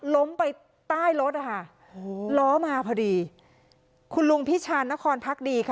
ล้มไปใต้รถอ่ะค่ะโอ้โหล้อมาพอดีคุณลุงพิชานนครพักดีค่ะ